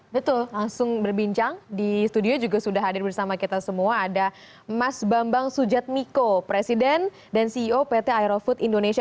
betul langsung berbincang di studio juga sudah hadir bersama kita semua ada mas bambang sujatmiko presiden dan ceo pt aerofood indonesia